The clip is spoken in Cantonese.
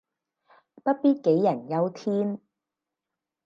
不必杞人憂天